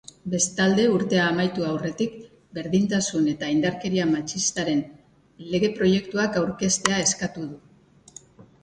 Bestalde, urtea amaitu aurretik berdintasun eta indarkeria matxistaren lege-proiektuak aurkeztea eskatu du.